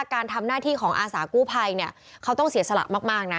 การทำหน้าที่ของอาสากู้ภัยเนี่ยเขาต้องเสียสละมากนะ